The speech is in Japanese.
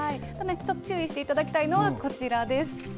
注意していただきたいのはこちらです。